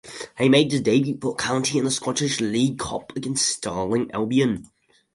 He made his debut for County in the Scottish League Cup against Stirling Albion.